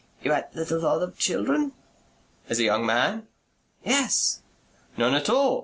"You had little thought of children?" "As a young man?" "Yes." "None at all.